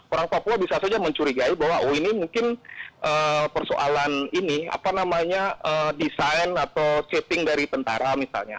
orang papua bisa saja mencurigai bahwa oh ini mungkin persoalan ini apa namanya desain atau chatting dari tentara misalnya